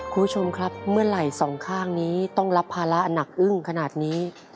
คุณผู้ชมครับเมื่อไหร่สองข้างนี้ต้องรับภาระหนักอึ้งขนาดนี้